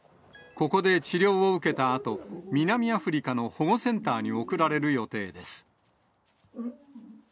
ここで治療を受けたあと、南アフリカの保護センターに送られる予定です。